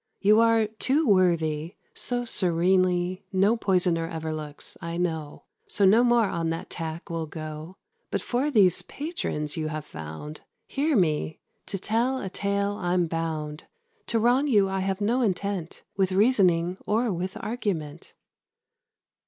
You are too worthy: so serenely No poisoner ever looks, I know; So no more on that tack we'll go. But for these patrons you have found, Hear me, to tell a tale I'm bound. To wrong you I have no intent, With reasoning, or with argument.